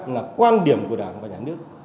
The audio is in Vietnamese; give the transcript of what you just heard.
là quan điểm của đảng và nhà nước